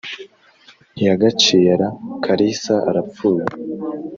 ntiyagaciye ra? kalisa arapfuye.